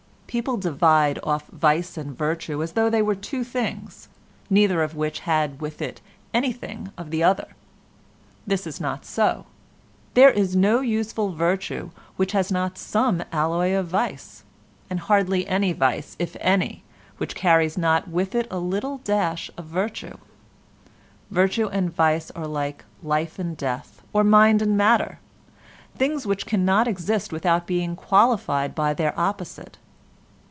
People divide off vice and virtue as though they were two things, neither of which had with it anything of the other. This is not so. There is no useful virtue which has not some alloy of vice, and hardly any vice, if any, which carries not with it a little dash of virtue; virtue and vice are like life and death, or mind and matter—things which cannot exist without being qualified by their opposite.